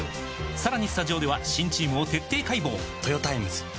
さらにスタジオでは新チームを徹底解剖！